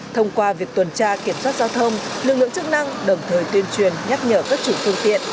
thông qua việc tuần tra kiểm soát giao thông lực lượng chức năng đồng thời tuyên truyền nhắc nhở các chủ phương tiện